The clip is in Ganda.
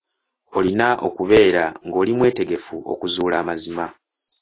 Olina okubeera ng'oli mwetegefu okuzuula amazima.